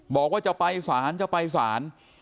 บอกว่าจะไปศาลจะไปศาล